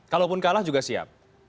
kalaupun kalah juga siap